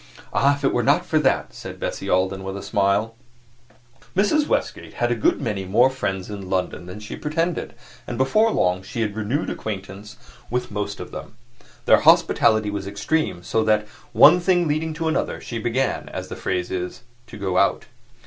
"Ah, if it were not for that!" said Bessie Alden with a smile. Mrs. Westgate had a good many more friends in London than she pretended, and before long she had renewed acquaintance with most of them. Their hospitality was extreme, so that, one thing leading to another, she began, as the phrase is, to go out.